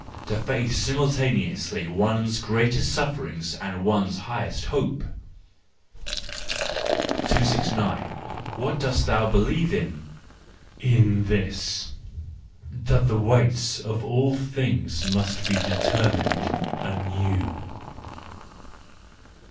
—To face simultaneously one's greatest suffering and one's highest hope. 269. What dost thou Believe in? —In this: That the weights of all things must be determined anew.